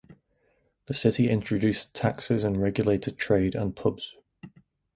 The city introduced taxes and regulated trade and pubs.